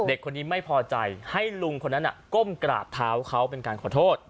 เด็กคนนี้ไม่พอใจให้ลุงคนนั้นก้มกราบเท้าเขาเป็นการขอโทษ